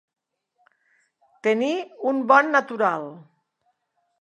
Tenir un bon natural.